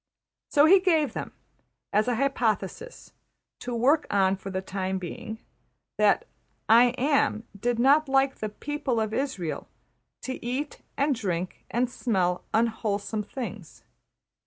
So he gave them, as an hypothesis to work on for the time being, that ``I Am'' did not like the \emph{people of Israël} to eat and drink and smell unwholesome things.